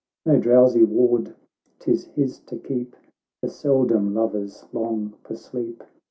No drowsy ward 'tis his to keep, For seldom lovers long for sleep.